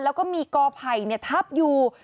แล้วก็มีกอไผ่ทับอยู่